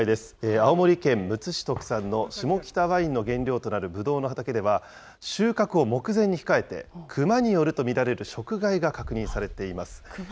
青森県むつ市特産の下北ワインの原料となるブドウの畑では、収穫を目前に控えて、クマによると見られる食害が確認されています。